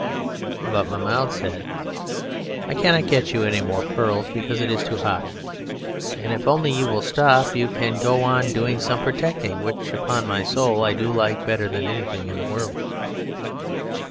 But Mahmoud said: "I cannot get you any more pearls because it is too hot, and if only you will stop you can go on doing some protecting, which, upon my soul, I do like better than anything in the world."